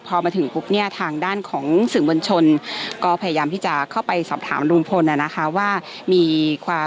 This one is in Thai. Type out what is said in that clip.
พอมาถึงทางด้านของสิงบนชลก็พยายามที่จะเข้าไปสอบถามรุมพลนะคะว่า